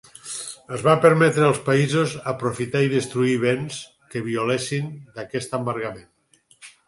Es va permetre als països aprofitar i destruir béns que violessin d'aquest embargament.